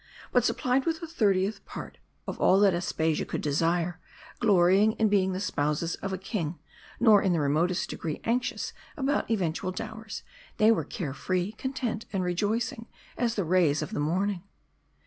But supplied with the thirtieth part of all that Aspasia could desire ; glorying in being the spouses of a king ; nor in the remotest degree anxious about eventual dowers ; they were care free, content, and rejoicing, as the rays of the morning.